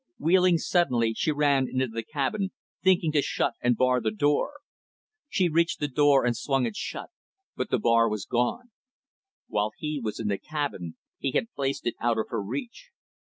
Wheeling suddenly, she ran into the cabin, thinking to shut and bar the door. She reached the door, and swung it shut, but the bar was gone. While he was in the cabin he had placed it out of her reach.